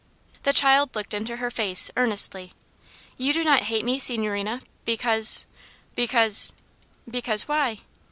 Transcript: The child looked into her face earnestly. "You do not hate me, signorina, because because " "Because why?"